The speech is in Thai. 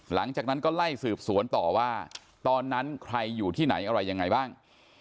หลังจากนั้นก็ไล่สืบสวนต่อว่าตอนนั้นใครอยู่ที่ไหนอะไรยังไงบ้าง